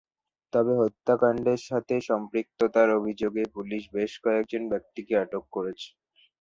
তবে হত্যাকাণ্ডের সাথে সম্পৃক্ততার অভিযোগে পুলিশ বেশ কয়েকজন ব্যক্তিকে আটক করেছে।